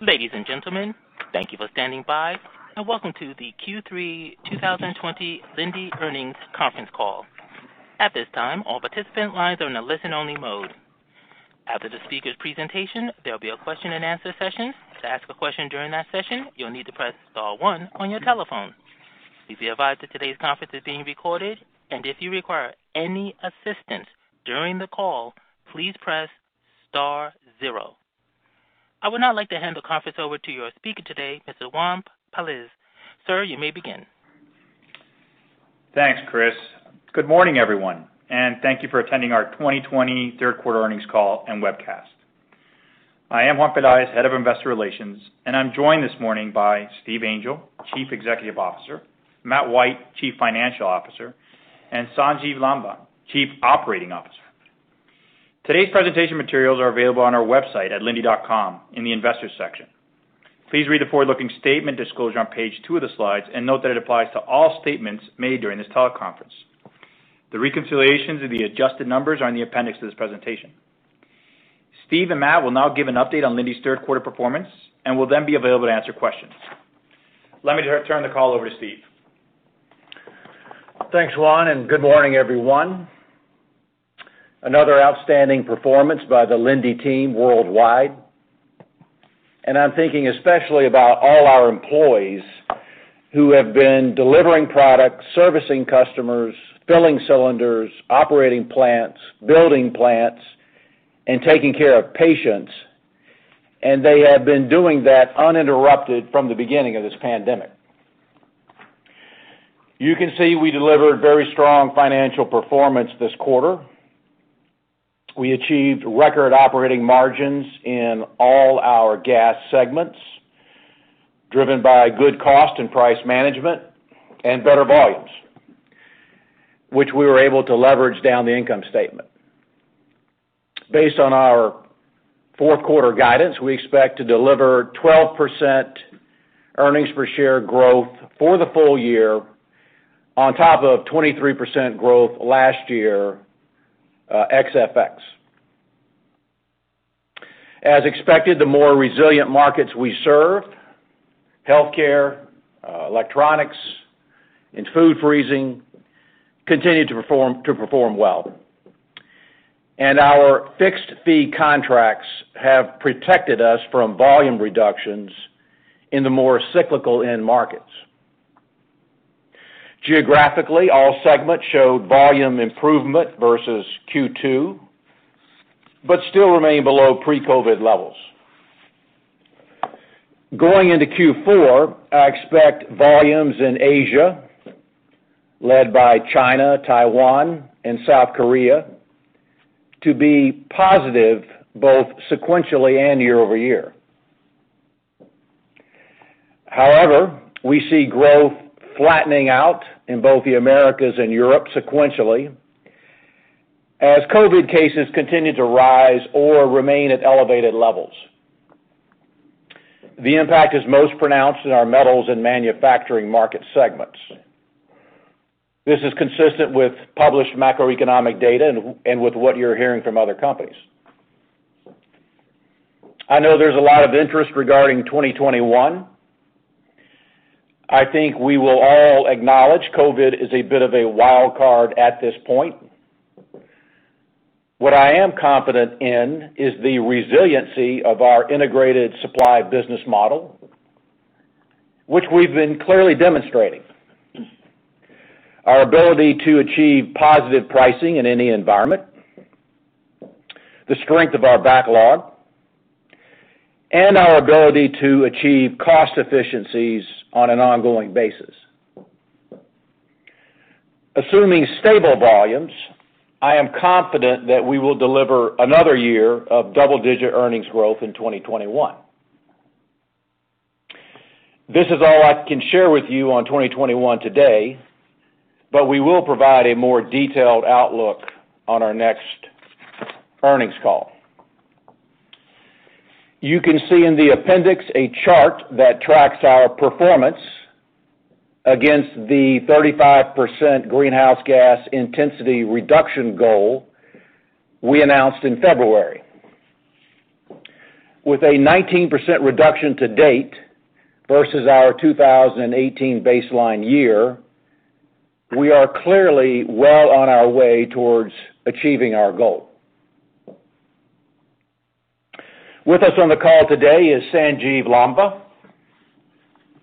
Ladies and gentlemen, thank you for standing by, and welcome to the Q3 2020 Linde Earnings Conference Call. At this time, all participant lines are in a listen only mode. After the speaker's presentation, there will be a question and answer session. To ask a question during that session, you will need to press star one on your telephone. Please be advised that today's conference is being recorded, and if you require any assistance during the call, please press star zero. I would now like to hand the conference over to your speaker today, Mr. Juan Pelaez. Sir, you may begin. Thanks, Chris. Good morning, everyone, and thank you for attending our 2020 third quarter earnings call and webcast. I am Juan Pelaez, Head of Investor Relations, and I'm joined this morning by Steve Angel, Chief Executive Officer, Matt White, Chief Financial Officer, and Sanjiv Lamba, Chief Operating Officer. Today's presentation materials are available on our website at linde.com in the Investors section. Please read the forward-looking statement disclosure on page two of the slides, and note that it applies to all statements made during this teleconference. The reconciliations of the adjusted numbers are in the appendix to this presentation. Steve Angel and Matt White will now give an update on Linde's third quarter performance, and will then be available to answer questions. Let me turn the call over to Steve Angel. Thanks, Juan Pelaez. Good morning, everyone. Another outstanding performance by the Linde team worldwide. I'm thinking especially about all our employees who have been delivering product, servicing customers, filling cylinders, operating plants, building plants, and taking care of patients. They have been doing that uninterrupted from the beginning of this pandemic. You can see we delivered very strong financial performance this quarter. We achieved record operating margins in all our gas segments, driven by good cost and price management and better volumes, which we were able to leverage down the income statement. Based on our fourth quarter guidance, we expect to deliver 12% earnings per share growth for the full year, on top of 23% growth last year, ex FX. As expected, the more resilient markets we serve, healthcare, electronics, and food freezing, continue to perform well. Our fixed-fee contracts have protected us from volume reductions in the more cyclical end markets. Geographically, all segments showed volume improvement versus Q2, but still remain below pre-COVID levels. Going into Q4, I expect volumes in Asia, led by China, Taiwan, and South Korea, to be positive both sequentially and year-over-year. However, we see growth flattening out in both the Americas and Europe sequentially, as COVID cases continue to rise or remain at elevated levels. The impact is most pronounced in our metals and manufacturing market segments. This is consistent with published macroeconomic data and with what you're hearing from other companies. I know there's a lot of interest regarding 2021. I think we will all acknowledge COVID is a bit of a wild card at this point. What I am confident in is the resiliency of our integrated supply business model, which we've been clearly demonstrating. Our ability to achieve positive pricing in any environment, the strength of our backlog, and our ability to achieve cost efficiencies on an ongoing basis. Assuming stable volumes, I am confident that we will deliver another year of double-digit earnings growth in 2021. This is all I can share with you on 2021 today, but we will provide a more detailed outlook on our next earnings call. You can see in the appendix a chart that tracks our performance against the 35% greenhouse gas intensity reduction goal we announced in February. With a 19% reduction to date versus our 2018 baseline year, we are clearly well on our way towards achieving our goal. With us on the call today is Sanjiv Lamba,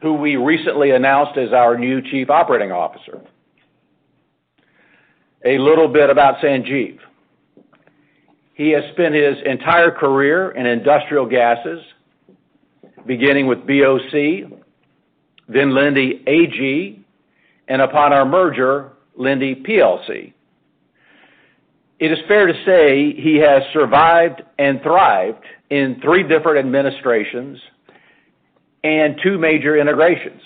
who we recently announced as our new Chief Operating Officer. A little bit about Sanjiv Lamba. He has spent his entire career in industrial gases, beginning with BOC, then Linde AG, and upon our merger, Linde PLC. It is fair to say he has survived and thrived in three different administrations and two major integrations.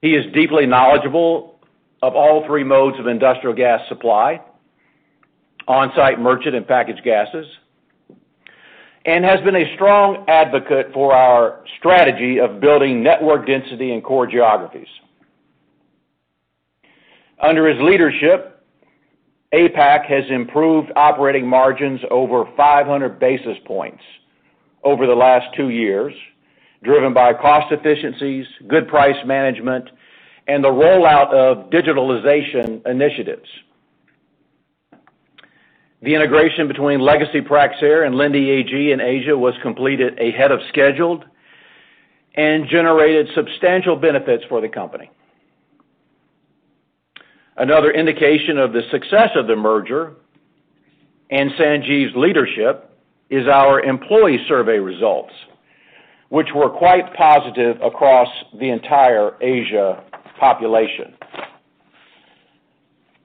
He is deeply knowledgeable of all three modes of industrial gas supply, on-site merchant and packaged gases, and has been a strong advocate for our strategy of building network density in core geographies. Under his leadership, APAC has improved operating margins over 500 basis points over the last two years, driven by cost efficiencies, good price management, and the rollout of digitalization initiatives. The integration between legacy Praxair and Linde AG in Asia was completed ahead of schedule and generated substantial benefits for the company. Another indication of the success of the merger and Sanjiv Lamba's leadership is our employee survey results, which were quite positive across the entire Asia population.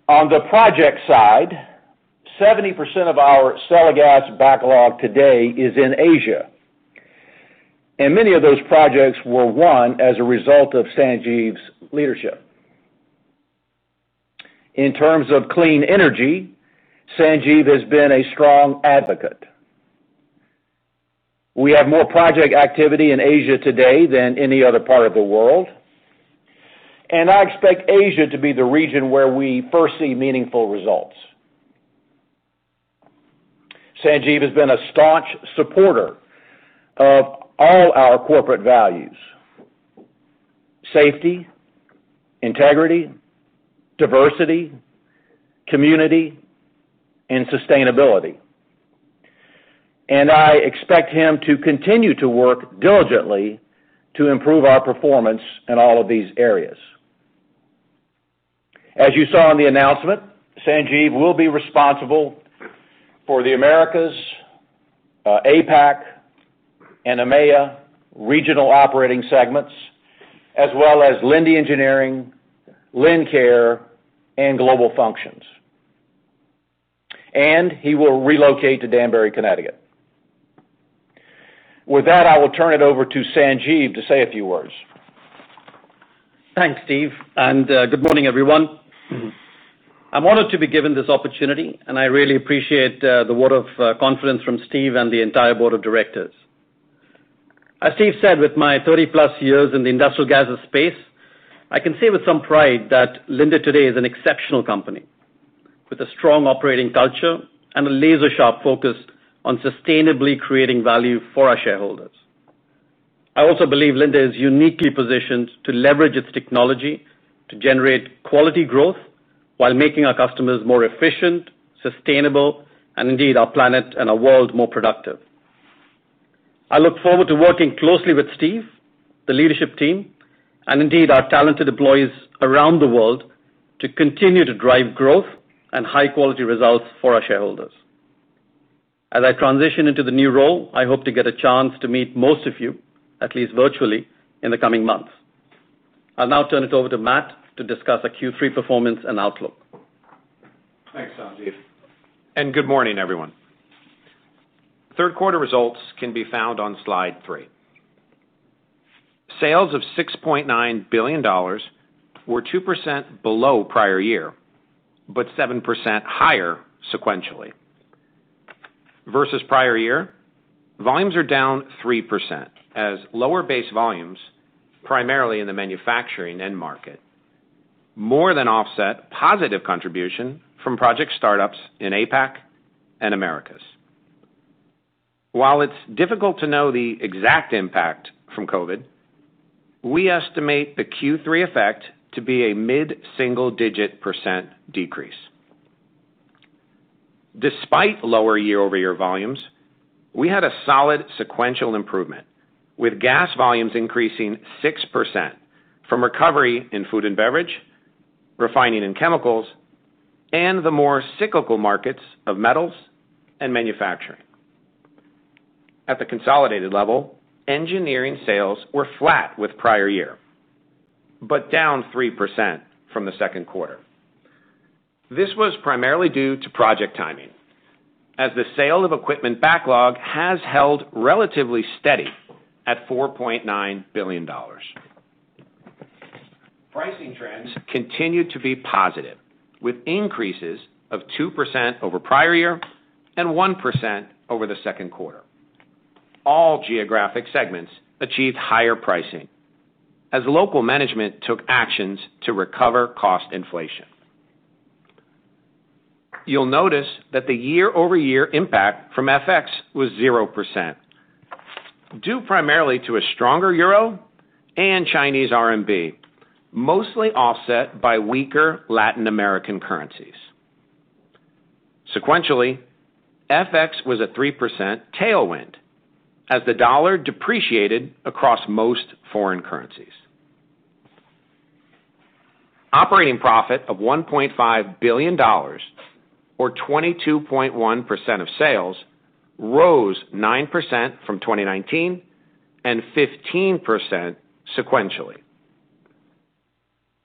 On the project side, 70% of our selling gas backlog today is in Asia, and many of those projects were won as a result of Sanjiv Lamba's leadership. In terms of clean energy, Sanjiv Lamba has been a strong advocate. We have more project activity in Asia today than any other part of the world, and I expect Asia to be the region where we first see meaningful results. Sanjiv Lamba has been a staunch supporter of all our corporate values: safety, integrity, diversity, community, and sustainability. I expect him to continue to work diligently to improve our performance in all of these areas. As you saw in the announcement, Sanjiv Lamba will be responsible for the Americas, APAC, and EMEA regional operating segments, as well as Linde Engineering, Lincare, and global functions. He will relocate to Danbury, Connecticut. With that, I will turn it over to Sanjiv Lamba to say a few words. Thanks, Steve Angel. Good morning, everyone. I'm honored to be given this opportunity. I really appreciate the vote of confidence from Steve Angel and the entire board of directors. As Steve Angel said, with my 30-plus years in the industrial gases space, I can say with some pride that Linde today is an exceptional company with a strong operating culture and a laser-sharp focus on sustainably creating value for our shareholders. I also believe Linde is uniquely positioned to leverage its technology to generate quality growth while making our customers more efficient, sustainable, and indeed, our planet and our world more productive. I look forward to working closely with Steve Angel, the leadership team, and indeed our talented employees around the world to continue to drive growth and high-quality results for our shareholders. As I transition into the new role, I hope to get a chance to meet most of you, at least virtually, in the coming months. I'll now turn it over to Matt White to discuss our Q3 performance and outlook. Thanks, Sanjiv Lamba and good morning, everyone. Third quarter results can be found on slide three. Sales of $6.9 billion were 2% below prior year, but 7% higher sequentially. Versus prior year, volumes are down 3%, as lower base volumes, primarily in the manufacturing end market, more than offset positive contribution from project startups in APAC and Americas. While it's difficult to know the exact impact from COVID, we estimate the Q3 effect to be a mid-single-digit percent decrease. Despite lower year-over-year volumes, we had a solid sequential improvement, with gas volumes increasing 6% from recovery in food and beverage, refining and chemicals, and the more cyclical markets of metals and manufacturing. At the consolidated level, engineering sales were flat with prior year, but down 3% from the second quarter. This was primarily due to project timing, as the sale of equipment backlog has held relatively steady at $4.9 billion. Pricing trends continued to be positive, with increases of 2% over prior year and 1% over the second quarter. All geographic segments achieved higher pricing as local management took actions to recover cost inflation. You'll notice that the year-over-year impact from FX was 0%, due primarily to a stronger euro and Chinese RMB, mostly offset by weaker Latin American currencies. Sequentially, FX was a 3% tailwind as the dollar depreciated across most foreign currencies. Operating profit of $1.5 billion, or 22.1% of sales, rose 9% from 2019 and 15% sequentially.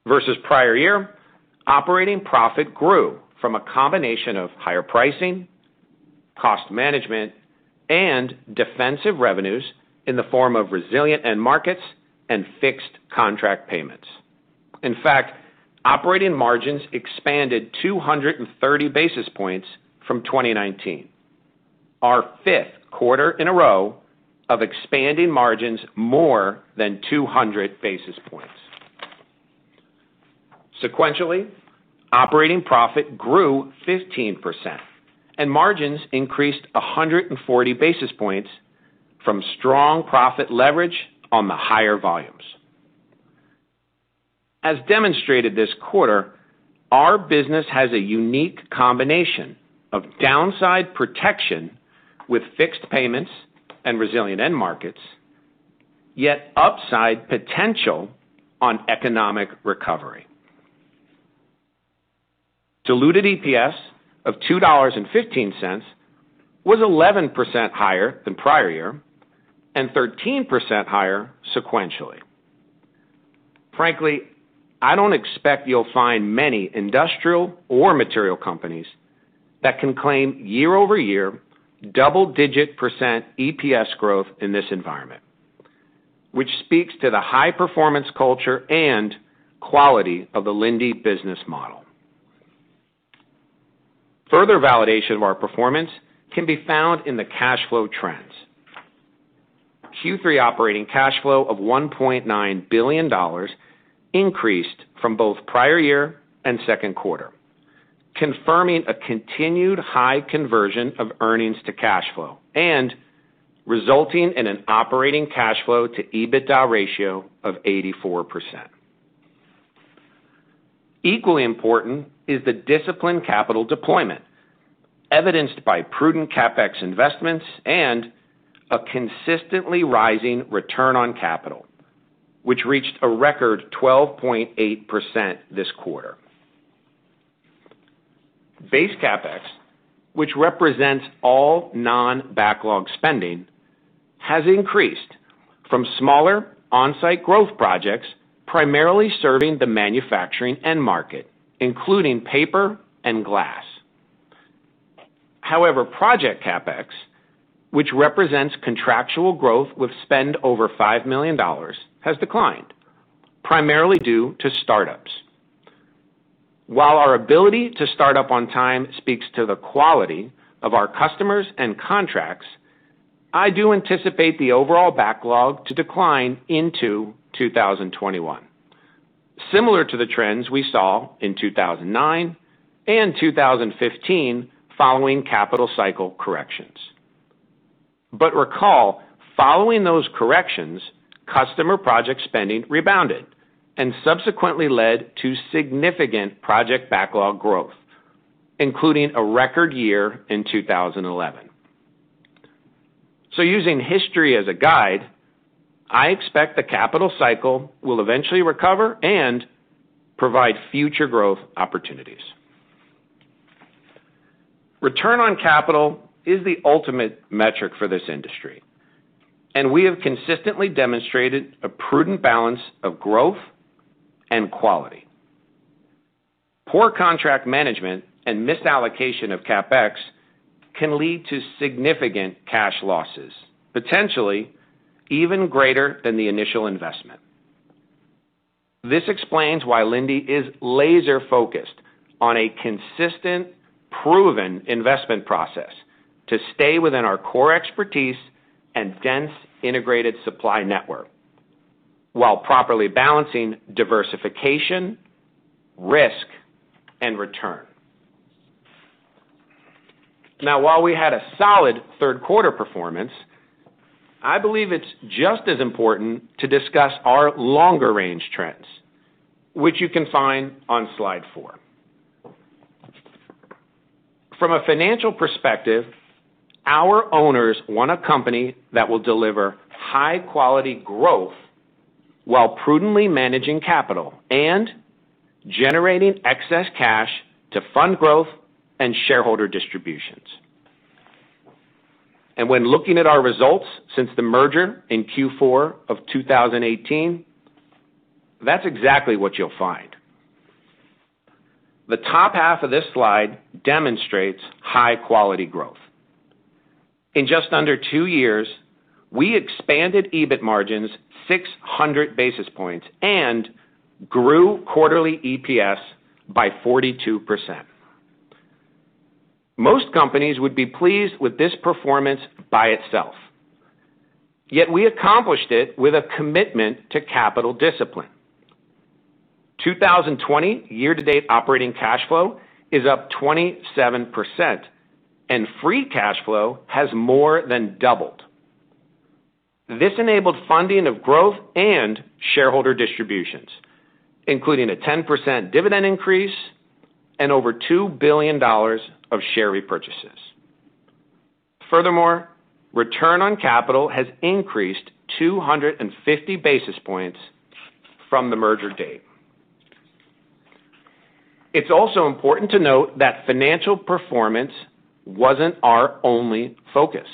Versus prior year, operating profit grew from a combination of higher pricing, cost management, and defensive revenues in the form of resilient end markets and fixed contract payments. In fact, operating margins expanded 230 basis points from 2019. Our fifth quarter in a row of expanding margins more than 200 basis points. Sequentially, operating profit grew 15% and margins increased 140 basis points from strong profit leverage on the higher volumes. As demonstrated this quarter, our business has a unique combination of downside protection with fixed payments and resilient end markets, yet upside potential on economic recovery. Diluted EPS of $2.15 was 11% higher than prior year and 13% higher sequentially. Frankly, I don't expect you'll find many industrial or material companies that can claim year-over-year double-digit percent EPS growth in this environment, which speaks to the high-performance culture and quality of the Linde business model. Further validation of our performance can be found in the cash flow trends. Q3 operating cash flow of $1.9 billion increased from both prior year and second quarter, confirming a continued high conversion of earnings to cash flow and resulting in an operating cash flow to EBITDA ratio of 84%. Equally important is the disciplined capital deployment evidenced by prudent CapEx investments and a consistently rising return on capital, which reached a record 12.8% this quarter. Base CapEx, which represents all non-backlog spending, has increased from smaller on-site growth projects primarily serving the manufacturing end market, including paper and glass. However, project CapEx, which represents contractual growth with spend over $5 million, has declined primarily due to startups. While our ability to start up on time speaks to the quality of our customers and contracts, I do anticipate the overall backlog to decline into 2021. Similar to the trends we saw in 2009 and 2015 following capital cycle corrections, but recall, following those corrections, customer project spending rebounded and subsequently led to significant project backlog growth, including a record year in 2011. Using history as a guide, I expect the capital cycle will eventually recover and provide future growth opportunities. Return on capital is the ultimate metric for this industry, and we have consistently demonstrated a prudent balance of growth and quality. Poor contract management and misallocation of CapEx can lead to significant cash losses, potentially even greater than the initial investment. This explains why Linde is laser-focused on a consistent, proven investment process to stay within our core expertise and dense integrated supply network while properly balancing diversification, risk, and return. Now, while we had a solid third quarter performance, I believe it's just as important to discuss our longer-range trends, which you can find on slide four. From a financial perspective, our owners want a company that will deliver high-quality growth while prudently managing capital and generating excess cash to fund growth and shareholder distributions. When looking at our results since the merger in Q4 of 2018, that's exactly what you'll find. The top half of this slide demonstrates high-quality growth. In just under two years, we expanded EBIT margins 600 basis points and grew quarterly EPS by 42%. Most companies would be pleased with this performance by itself, yet we accomplished it with a commitment to capital discipline. 2020 year-to-date operating cash flow is up 27%, and free cash flow has more than doubled. This enabled funding of growth and shareholder distributions, including a 10% dividend increase and over $2 billion of share repurchases. Furthermore, return on capital has increased 250 basis points from the merger date. It's also important to note that financial performance wasn't our only focus.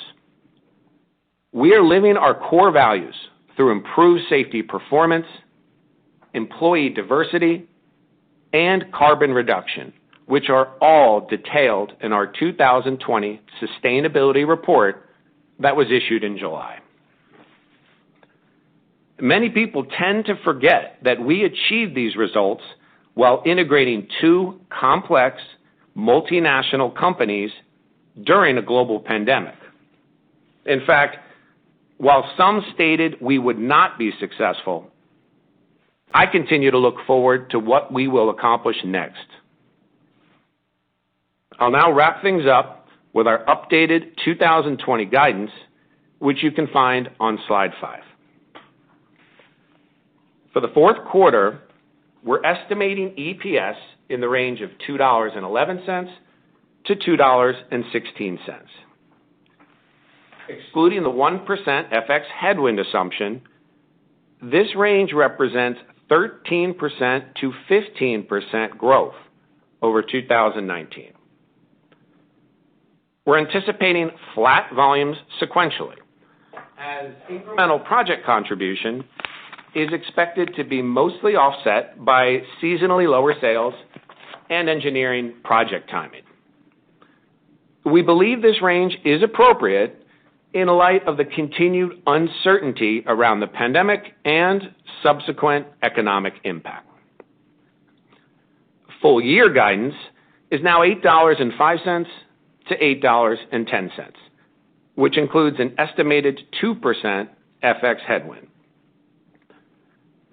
We are living our core values through improved safety performance, employee diversity, and carbon reduction, which are all detailed in our 2020 sustainability report that was issued in July. Many people tend to forget that we achieved these results while integrating two complex multinational companies during a global pandemic. In fact, while some stated we would not be successful, I continue to look forward to what we will accomplish next. I'll now wrap things up with our updated 2020 guidance, which you can find on slide five. For the fourth quarter, we're estimating EPS in the range of $2.11-$2.16. Excluding the 1% FX headwind assumption, this range represents 13%-15% growth over 2019. We're anticipating flat volumes sequentially as incremental project contribution is expected to be mostly offset by seasonally lower sales and engineering project timing. We believe this range is appropriate in light of the continued uncertainty around the pandemic and subsequent economic impact. Full year guidance is now $8.05 to $8.10, which includes an estimated 2% FX headwind.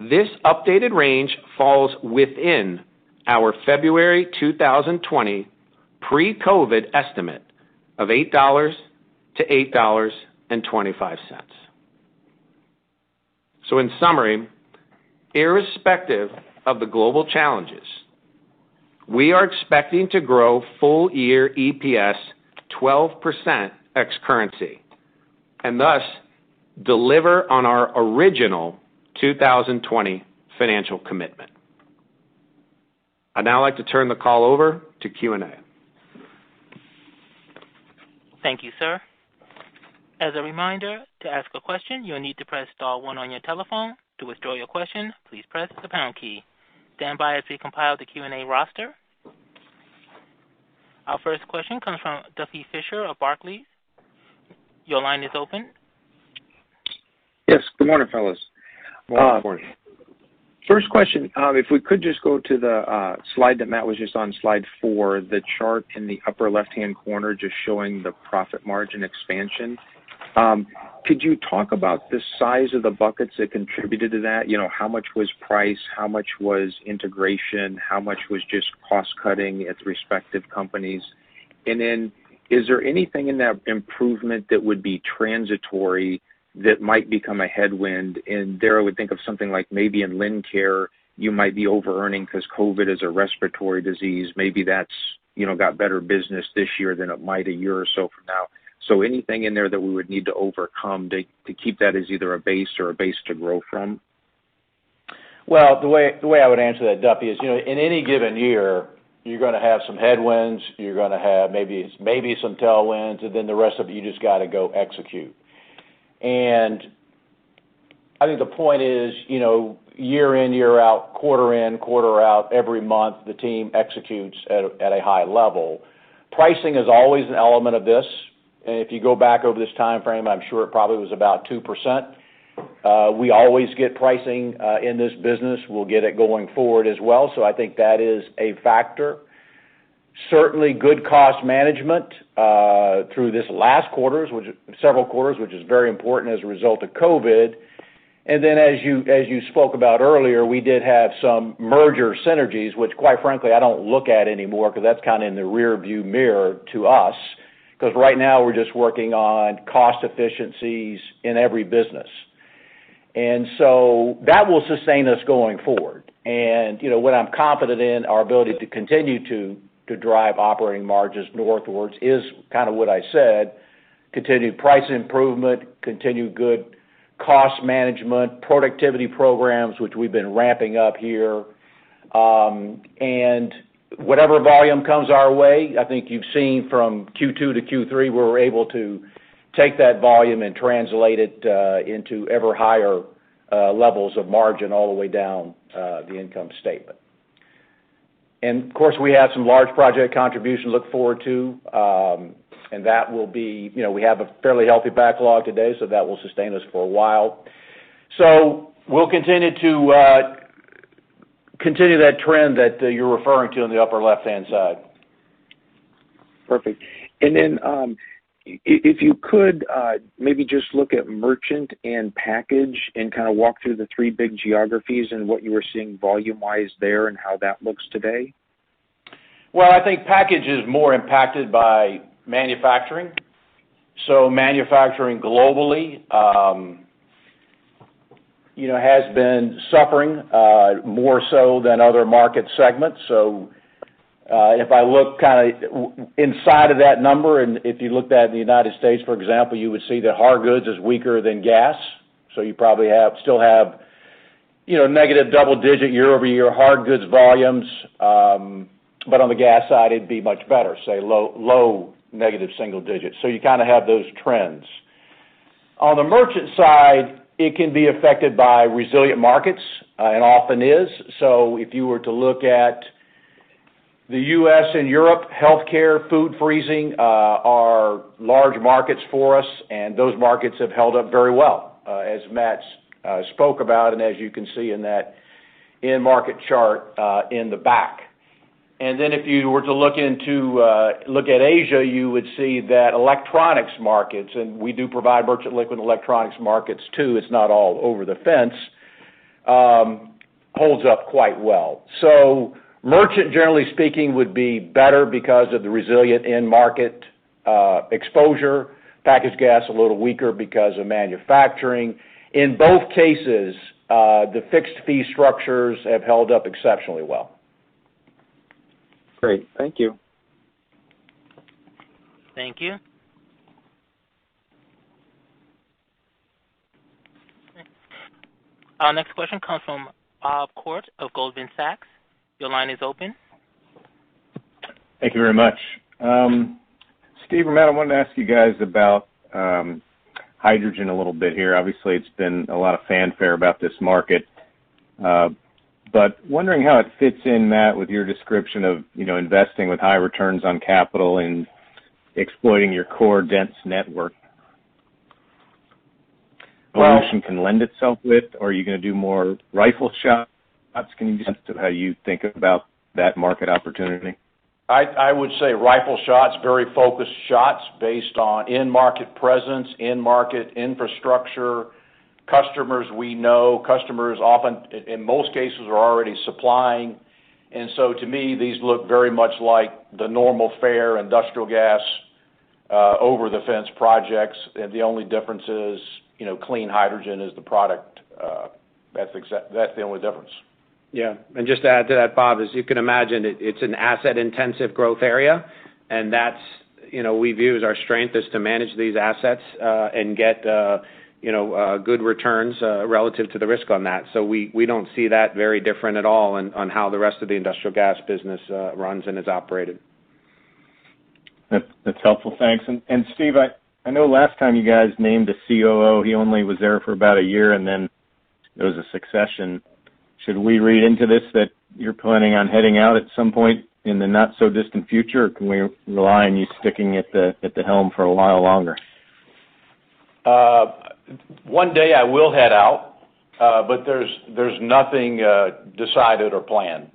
This updated range falls within our February 2020 pre-COVID estimate of $8 to $8.25. In summary, irrespective of the global challenges, we are expecting to grow full year EPS 12% ex currency, and thus deliver on our original 2020 financial commitment. I'd now like to turn the call over to Q&A. Thank you, sir. As a reminder, to ask a question, you will need to press star one on your telephone. To withdraw your question, please press the pound key. Stand by as we compile the Q&A roster. Our first question comes from Duffy Fischer of Barclays. Your line is open. Yes. Good morning, fellas. Good morning. First question, if we could just go to the slide that Matt White was just on, slide four, the chart in the upper left-hand corner, just showing the profit margin expansion. Could you talk about the size of the buckets that contributed to that? How much was price, how much was integration, how much was just cost-cutting its respective companies? Is there anything in that improvement that would be transitory that might become a headwind? There I would think of something like maybe in Lincare, you might be overearning because COVID is a respiratory disease. Maybe that's got better business this year than it might a year or so from now. Anything in there that we would need to overcome to keep that as either a base or a base to grow from? Well, the way I would answer that, Duffy, is in any given year, you're going to have some headwinds, you're going to have maybe some tailwinds, then the rest of it you just got to go execute. I think the point is, you know, year in, year out, quarter in, quarter out, every month, the team executes at a high level. Pricing is always an element of this, and if you go back over this timeframe, I'm sure it probably was about 2%. We always get pricing in this business. We'll get it going forward as well. I think that is a factor. Certainly good cost management through this last quarters, several quarters, which is very important as a result of COVID. Then, as you spoke about earlier, we did have some merger synergies, which quite frankly, I don't look at anymore because that's kind of in the rearview mirror to us, because right now we're just working on cost efficiencies in every business. That will sustain us going forward. What I'm confident in, our ability to continue to drive operating margins north towards is kind of what I said, continued price improvement, continued good cost management, productivity programs, which we've been ramping up here. Whatever volume comes our way, I think you've seen from Q2 to Q3, we're able to take that volume and translate it into ever higher levels of margin all the way down the income statement. Of course, we have some large project contributions to look forward to. We have a fairly healthy backlog today, so that will sustain us for a while. We'll continue that trend that you're referring to in the upper left-hand side. Perfect. If you could maybe just look at merchant and package and kind of walk through the three big geographies and what you are seeing volume-wise there and how that looks today. Well, I think package is more impacted by manufacturing. Manufacturing globally has been suffering more so than other market segments. If I look kind of inside of that number, and if you looked at the United States, for example, you would see that hard goods is weaker than gas. You probably still have negative double-digit year-over-year hard goods volumes, but on the gas side, it'd be much better, say low negative single-digits. You kind of have those trends. On the merchant side, it can be affected by resilient markets, and often is. If you were to look at. The U.S. and Europe healthcare food freezing are large markets for us. Those markets have held up very well, as Matt White spoke about and as you can see in that end market chart in the back. Then, if you were to look at Asia, you would see that electronics markets, and we do provide merchant liquid electronics markets too, it's not all over the fence, holds up quite well. Merchant, generally speaking, would be better because of the resilient end market exposure. Packaged gas, a little weaker because of manufacturing. In both cases, the fixed fee structures have held up exceptionally well. Great. Thank you. Thank you. Our next question comes from Bob Koort of Goldman Sachs. Your line is open. Thank you very much. Steve Angel and Matt White, I wanted to ask you guys about hydrogen a little bit here. Obviously, it's been a lot of fanfare about this market, but wondering how it fits in, Matt White, with your description of investing with high returns on capital and exploiting your core dense network, of which you can lend itself with? Are you going to do more rifle shots? Can you give us a sense of how you think about that market opportunity? I would say rifle shots, very focused shots based on end market presence, end market infrastructure, customers we know, customers often, in most cases, are already supplying. To me, these look very much like the normal fare industrial gas over the fence projects. The only difference is clean hydrogen is the product. That's the only difference. Just to add to that, Bob, as you can imagine, it's an asset-intensive growth area, and we view as our strength is to manage these assets and get good returns relative to the risk on that. We don't see that very different at all on how the rest of the industrial gas business runs and is operated. That's helpful. Thanks. Steve Angel, I know last time you guys named a COO, he only was there for about a year, and then there was a succession. Should we read into this that you're planning on heading out at some point in the not so distant future, or can we rely on you sticking at the helm for a while longer? One day I will head out, but there's nothing decided or planned.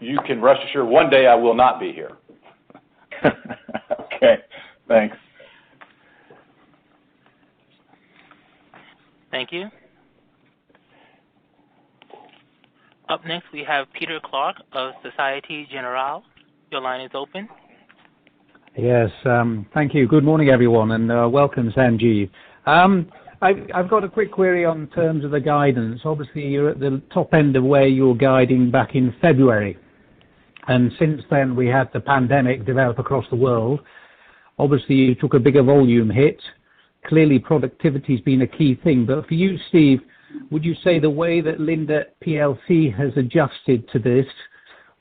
You can rest assured, one day I will not be here. Okay, thanks. Thank you. Up next, we have Peter Clark of Societe Generale. Your line is open. Yes, thank you. Good morning, everyone, and welcome, Sanjiv Lamba. I've got a quick query on terms of the guidance. Obviously, you're at the top end of where you were guiding back in February. Since then, we had the pandemic develop across the world. Obviously, you took a bigger volume hit. Clearly, productivity's been a key thing. For you, Steve Angel, would you say the way that Linde PLC has adjusted to this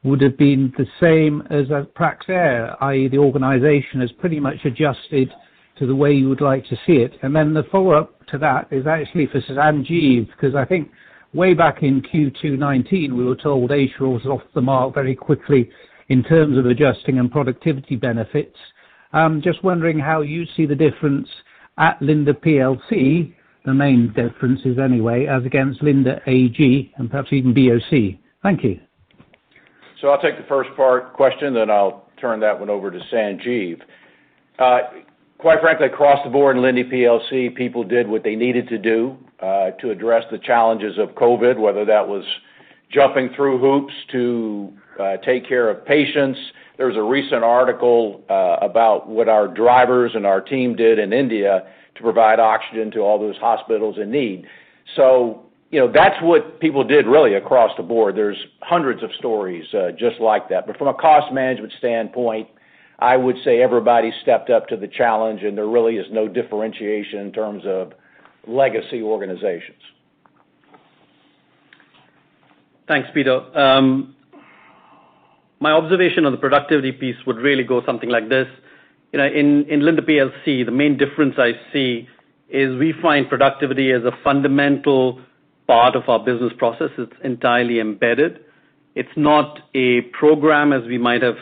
would've been the same as Praxair, i.e., the organization has pretty much adjusted to the way you would like to see it? And then, the follow-up to that is actually for Sanjiv Lamba, because I think way back in Q2 2019, we were told Asia was off the mark very quickly in terms of adjusting and productivity benefits. I'm just wondering how you see the difference at Linde PLC, the main differences anyway, as against Linde AG and perhaps even BOC? Thank you. I'll take the first part question, then I'll turn that one over to Sanjiv Lamba. Quite frankly, across the board, Linde PLC people did what they needed to do to address the challenges of COVID, whether that was jumping through hoops to take care of patients. There was a recent article about what our drivers and our team did in India to provide oxygen to all those hospitals in need. That's what people did really across the board. There's hundreds of stories just like that. From a cost management standpoint, I would say everybody stepped up to the challenge, and there really is no differentiation in terms of legacy organizations. Thanks, Peter Clark. My observation on the productivity piece would really go something like this. In Linde PLC, the main difference I see is we find productivity as a fundamental part of our business process. It's entirely embedded. It's not a program as we might have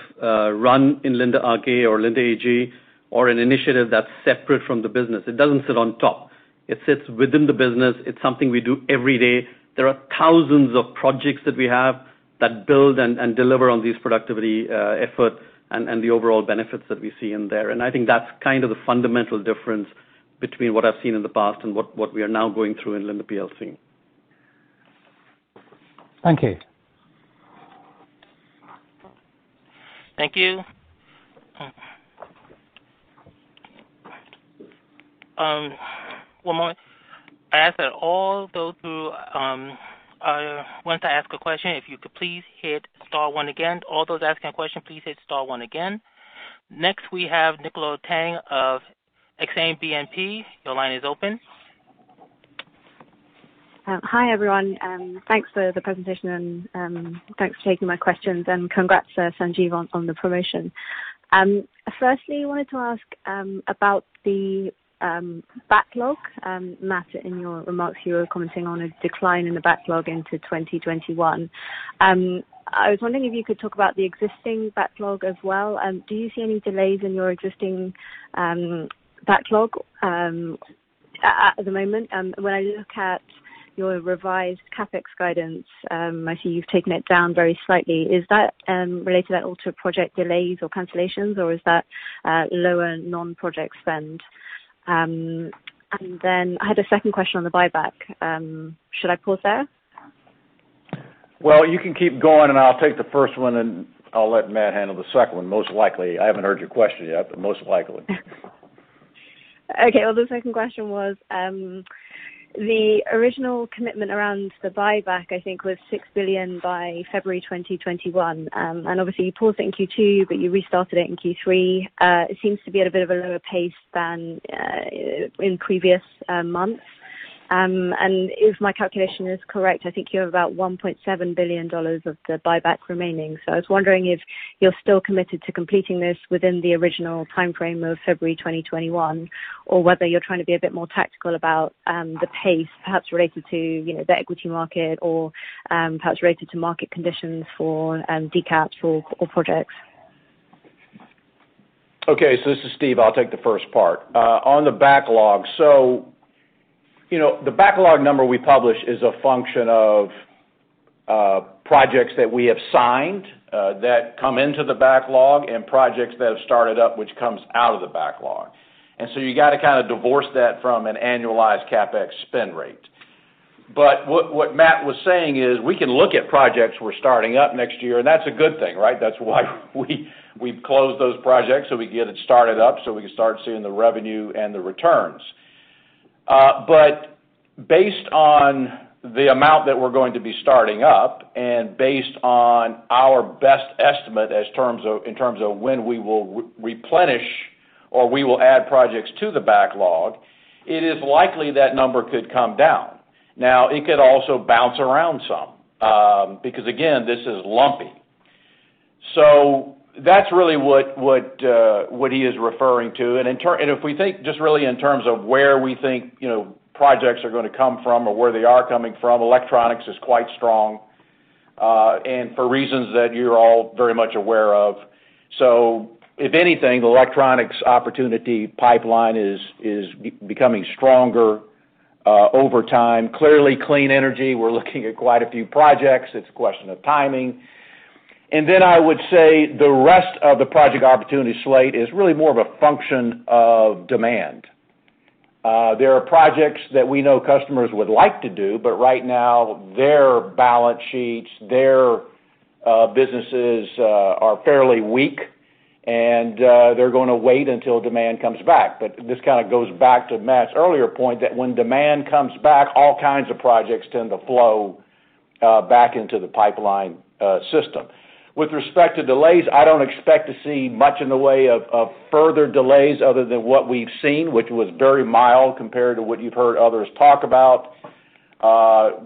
run in Linde AG or an initiative that's separate from the business. It doesn't sit on top. It sits within the business. It's something we do every day. There are thousands of projects that we have that build and deliver on these productivity efforts and the overall benefits that we see in there. I think that's kind of the fundamental difference between what I've seen in the past and what we are now going through in Linde PLC. Thank you. Thank you. One moment. I ask that all those who want to ask a question, if you could please hit star one again. All those asking a question, please hit star one again. Next, we have Nicola Tang of Exane BNP. Your line is open. Hi, everyone. Thanks for the presentation and thanks for taking my questions. Congrats, Sanjiv Lamba, on the promotion. Firstly, I wanted to ask about the backlog. Matt White, in your remarks, you were commenting on a decline in the backlog into 2021. I was wondering if you could talk about the existing backlog as well. Do you see any delays in your existing backlog at the moment? When I look at your revised CapEx guidance, I see you've taken it down very slightly. Is that related at all to project delays or cancellations, or is that lower non-project spend? I had a second question on the buyback. Should I pause there? Well, you can keep going, and I'll take the first one, and I'll let Matt White handle the second one. Most likely. I haven't heard your question yet, but most likely. Okay, well, the second question was, the original commitment around the buyback, I think, was $6 billion by February 2021. Obviously you paused it in Q2, but you restarted it in Q3. It seems to be at a bit of a lower pace than in previous months. If my calculation is correct, I think you have about $1.7 billion of the buyback remaining. I was wondering if you're still committed to completing this within the original timeframe of February 2021, or whether you're trying to be a bit more tactical about the pace, perhaps related to the equity market or perhaps related to market conditions for decap or projects. This is Steve Angel. I'll take the first part. On the backlog. The backlog number we publish is a function of projects that we have signed that come into the backlog and projects that have started up, which comes out of the backlog. You got to kind of divorce that from an annualized CapEx spend rate. What Matt White was saying is we can look at projects we're starting up next year, and that's a good thing, right? That's why we've closed those projects, so we can get it started up so we can start seeing the revenue and the returns. Based on the amount that we're going to be starting up and based on our best estimate in terms of when we will replenish or we will add projects to the backlog, it is likely that number could come down. Now, it could also bounce around some, because again, this is lumpy. That's really what he is referring to. If we think just really in terms of where we think projects are going to come from or where they are coming from, electronics is quite strong, and for reasons that you're all very much aware of. If anything, the electronics opportunity pipeline is becoming stronger over time. Clearly, clean energy, we're looking at quite a few projects. It's a question of timing. Then, I would say the rest of the project opportunity slate is really more of a function of demand. There are projects that we know customers would like to do, but right now, their balance sheets, their businesses are fairly weak, and they're going to wait until demand comes back. This kind of goes back to Matt White's earlier point that when demand comes back, all kinds of projects tend to flow back into the pipeline system. With respect to delays, I don't expect to see much in the way of further delays other than what we've seen, which was very mild compared to what you've heard others talk about.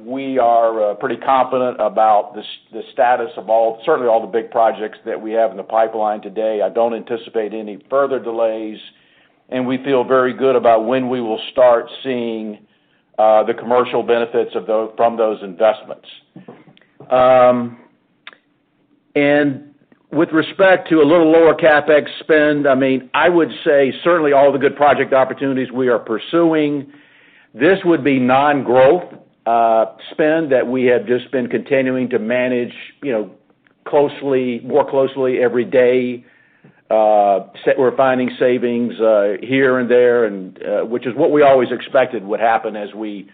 We are pretty confident about the status of certainly all the big projects that we have in the pipeline today. I don't anticipate any further delays, and we feel very good about when we will start seeing the commercial benefits from those investments. With respect to a little lower CapEx spend, I would say certainly all the good project opportunities we are pursuing, this would be non-growth spend that we have just been continuing to manage more closely every day. We're finding savings here and there, which is what we always expected would happen as we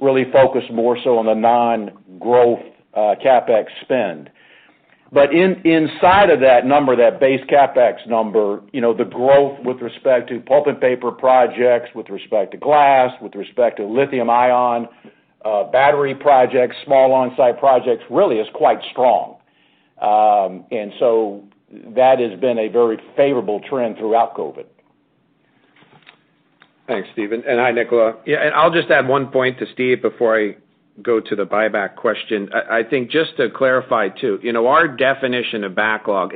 really focus more so on the non-growth CapEx spend. Inside of that number, that base CapEx number, the growth with respect to pulp and paper projects, with respect to glass, with respect to lithium-ion battery projects, small on-site projects, really is quite strong. That has been a very favorable trend throughout COVID. Thanks, Steve Angel. Hi, Nicola Tang. Yeah, I'll just add one point to Steve Angel before I go to the buyback question. I think just to clarify, too, our definition of backlog.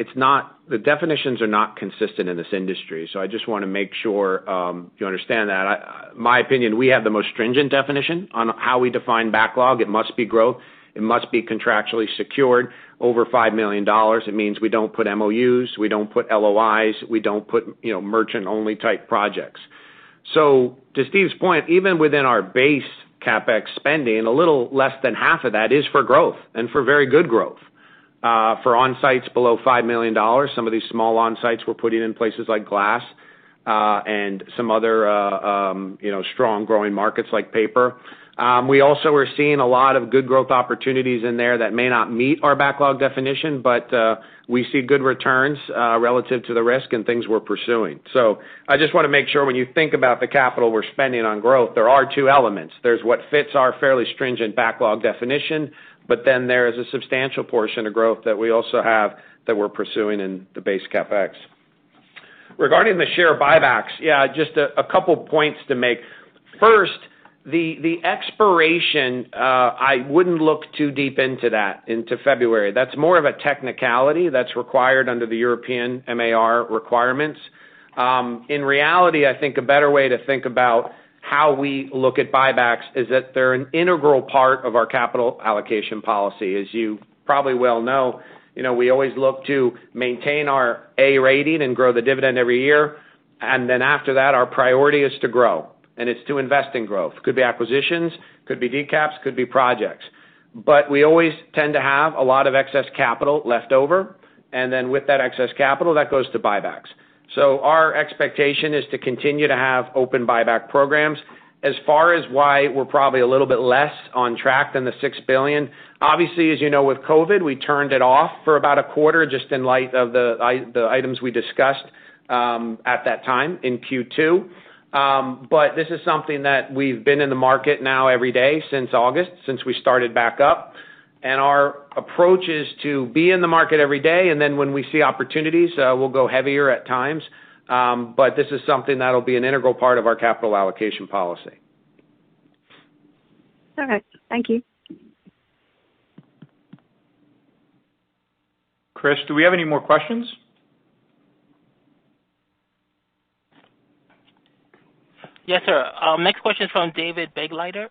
The definitions are not consistent in this industry. I just want to make sure you understand that. My opinion, we have the most stringent definition on how we define backlog. It must be growth. It must be contractually secured over $5 million. It means we don't put MOUs, we don't put LOIs, we don't put merchant-only type projects. To Steve Angel's point, even within our base CapEx spending, a little less than half of that is for growth and for very good growth. For on-sites below $5 million, some of these small on-sites we're putting in places like glass and some other strong growing markets like paper. We also are seeing a lot of good growth opportunities in there that may not meet our backlog definition, but we see good returns relative to the risk and things we're pursuing. I just want to make sure when you think about the capital we're spending on growth, there are two elements. There's what fits our fairly stringent backlog definition, but then there is a substantial portion of growth that we also have that we're pursuing in the base CapEx. Regarding the share buybacks, just a couple points to make. First, the expiration, I wouldn't look too deep into that, into February. That's more of a technicality that's required under the European MAR requirements. In reality, I think a better way to think about how we look at buybacks is that they're an integral part of our capital allocation policy. As you probably well know, we always look to maintain our A rating and grow the dividend every year. After that, our priority is to grow, and it's to invest in growth. Could be acquisitions, could be decaps, could be projects. We always tend to have a lot of excess capital left over, and then with that excess capital, that goes to buybacks. Our expectation is to continue to have open buyback programs. As far as why we're probably a little bit less on track than the $6 billion. Obviously, as you know, with COVID, we turned it off for about a quarter, just in light of the items we discussed at that time in Q2. This is something that we've been in the market now every day since August, since we started back up, and our approach is to be in the market every day, and then when we see opportunities, we'll go heavier at times. This is something that'll be an integral part of our capital allocation policy. All right. Thank you. Chris, do we have any more questions? Yes, sir. Next question is from David Begleiter.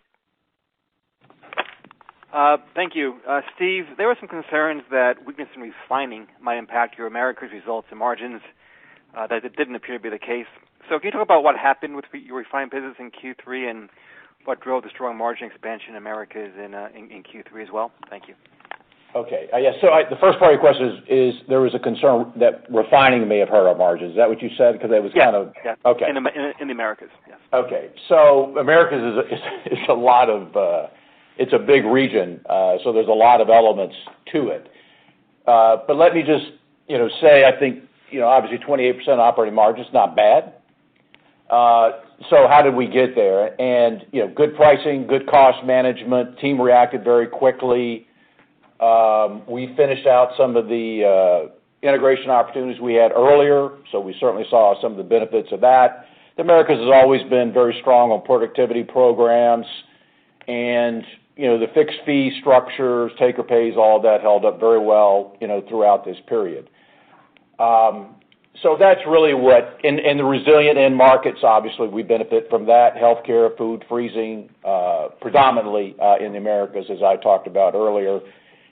Thank you. Steve Angel, there were some concerns that weakness in refining might impact your Americas results and margins, that it didn't appear to be the case. Can you talk about what happened with your refined business in Q3 and what drove the strong margin expansion in Americas in Q3 as well? Thank you. Okay. Yeah. The first part of your question is there was a concern that refining may have hurt our margins. Is that what you said? Yeah. Okay. In the Americas. Yeah. Americas, it is a big region, so there is a lot of elements to it. Let me just say, I think obviously 28% operating margin is not bad. How did we get there? Good pricing, good cost management, team reacted very quickly. We finished out some of the integration opportunities we had earlier, so we certainly saw some of the benefits of that. The Americas has always been very strong on productivity programs. The fixed-fee structures, take-or-pays, all that held up very well throughout this period. The resilient end markets, obviously we benefit from that, healthcare, food, freezing, predominantly in Americas, as I talked about earlier,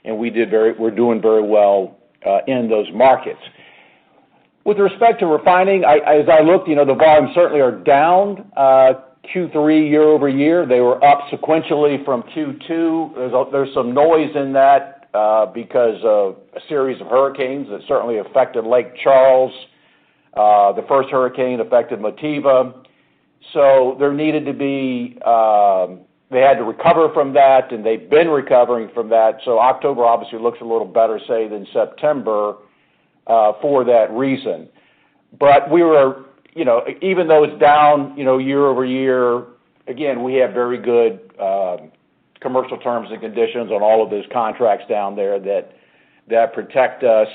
and we are doing very well in those markets. With respect to refining, as I looked, the volumes certainly are down Q3 year-over-year. They were up sequentially from Q2. There's some noise in that because of a series of hurricanes that certainly affected Lake Charles. The first hurricane affected Motiva. They had to recover from that, and they've been recovering from that, October obviously looks a little better, say, than September for that reason. Even though it's down year-over-year, again, we have very good commercial terms and conditions on all of those contracts down there that protect us.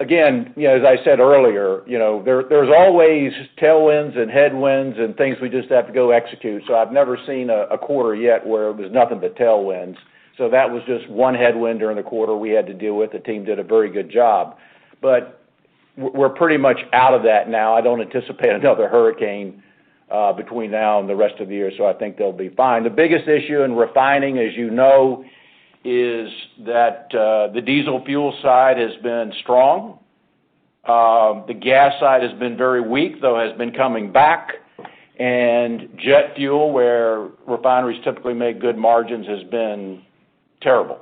Again, as I said earlier, there's always tailwinds and headwinds and things we just have to go execute. I've never seen a quarter yet where it was nothing but tailwinds. That was just one headwind during the quarter we had to deal with. The team did a very good job, but we're pretty much out of that now. I don't anticipate another hurricane between now and the rest of the year, so I think they'll be fine. The biggest issue in refining, as you know, is that the diesel fuel side has been strong. The gas side has been very weak, though has been coming back, and jet fuel, where refineries typically make good margins, has been terrible.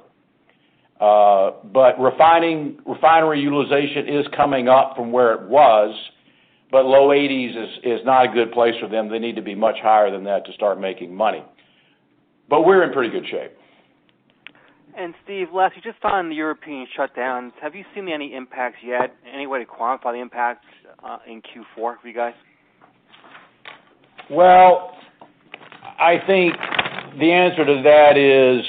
Refinery utilization is coming up from where it was, but low 80s is not a good place for them. They need to be much higher than that to start making money, but we're in pretty good shape. Steve Angel, last, just on the European shutdowns, have you seen any impacts yet? Any way to quantify the impacts in Q4 for you guys? Well, I think the answer to that is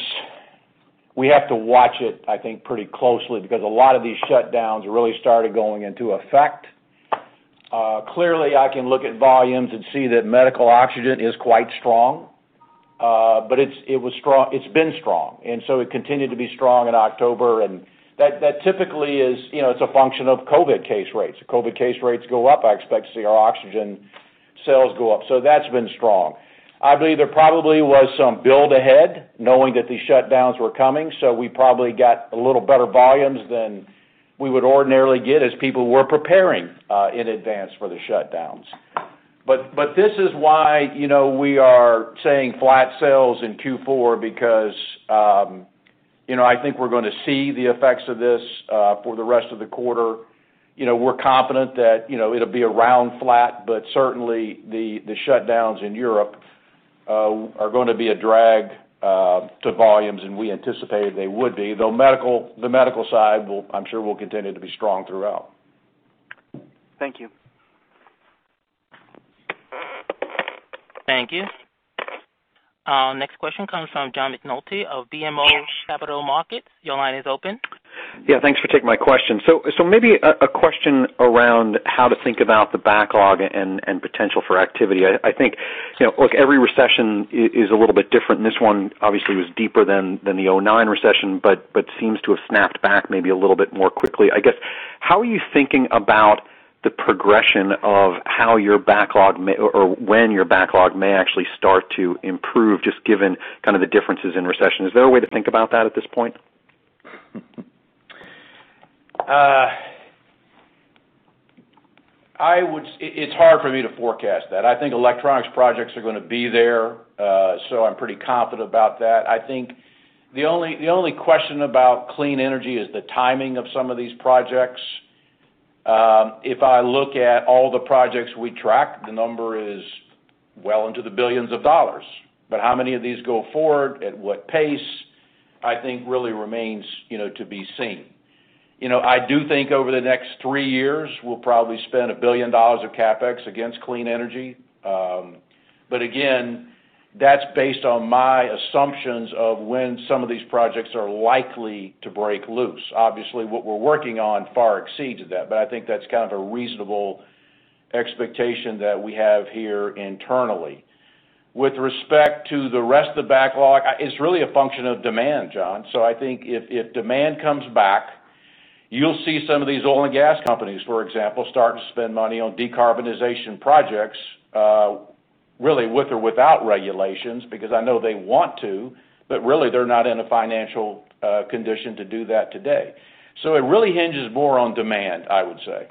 we have to watch it, I think, pretty closely because a lot of these shutdowns really started going into effect. Clearly, I can look at volumes and see that medical oxygen is quite strong. It's been strong. It continued to be strong in October, and that typically is a function of COVID case rates. If COVID case rates go up, I expect to see our oxygen sales go up. That's been strong. I believe there probably was some build ahead knowing that these shutdowns were coming, so we probably got a little better volumes than we would ordinarily get as people were preparing in advance for the shutdowns. This is why we are saying flat sales in Q4 because I think we're going to see the effects of this for the rest of the quarter. We're confident that it'll be around flat, but certainly the shutdowns in Europe are going to be a drag to volumes, and we anticipated they would be, though the medical side, I'm sure will continue to be strong throughout. Thank you. Thank you. Our next question comes from John McNulty of BMO Capital Markets. Your line is open. Yeah, thanks for taking my question. Maybe a question around how to think about the backlog and potential for activity. I think every recession is a little bit different, and this one obviously was deeper than the 2009 recession, but seems to have snapped back maybe a little bit more quickly. I guess, how are you thinking about the progression of how your backlog, or when your backlog may actually start to improve, just given kind of the differences in recession? Is there a way to think about that at this point? It's hard for me to forecast that. I think electronics projects are going to be there, so I'm pretty confident about that. I think the only question about clean energy is the timing of some of these projects. If I look at all the projects we track, the number is well into the billions of dollars. How many of these go forward, at what pace, I think really remains to be seen. I do think over the next three years, we'll probably spend $1 billion of CapEx against clean energy, but again, that's based on my assumptions of when some of these projects are likely to break loose. Obviously, what we're working on far exceeds that, but I think that's kind of a reasonable expectation that we have here internally. With respect to the rest of the backlog, it's really a function of demand, John McNulty. I think if demand comes back, you'll see some of these oil and gas companies, for example, start to spend money on decarbonization projects, really with or without regulations, because I know they want to, but really, they're not in a financial condition to do that today. It really hinges more on demand, I would say.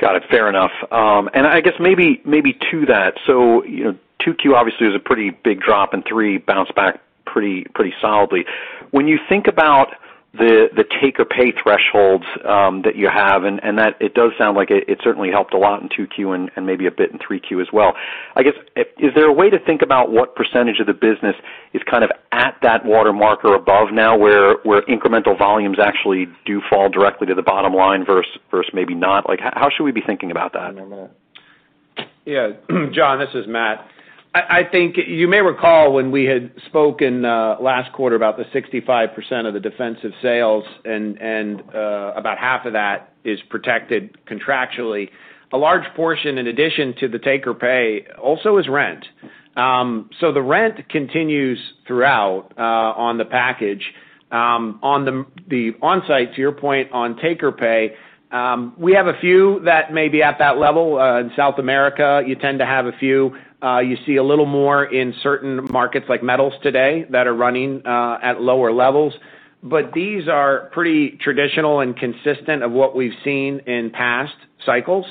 Got it. Fair enough. I guess maybe to that, 2Q, obviously, was a pretty big drop, and 3Q bounced back pretty solidly. When you think about the take-or-pay thresholds that you have, and that it does sound like it certainly helped a lot in 2Q and maybe a bit in 3Q as well. I guess, is there a way to think about what percentage of the business is kind of at that watermark or above now, where incremental volumes actually do fall directly to the bottom line versus maybe not? How should we be thinking about that? Yeah. John McNulty, this is Matt White. I think you may recall when we had spoken last quarter about the 65% of the defensive sales and about half of that is protected contractually. A large portion, in addition to the take-or-pay, also is rent. The rent continues throughout on the package. On the onsite, to your point on take-or-pay, we have a few that may be at that level. In South America, you tend to have a few. You see a little more in certain markets like metals today that are running at lower levels, but these are pretty traditional and consistent of what we've seen in past cycles.